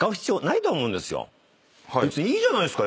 別にいいじゃないですか。